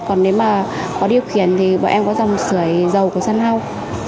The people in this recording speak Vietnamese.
còn nếu mà có điều khiển thì bọn em có dòng sởi dầu của sân hâu